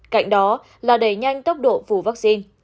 cạnh đó là đẩy nhanh tốc độ phủ vaccine